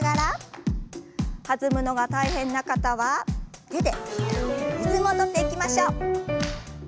弾むのが大変な方は手でリズムを取っていきましょう。